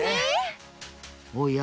おや？